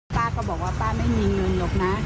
ป้าก็บอกว่าป้าไม่มีเงินหรอกนะ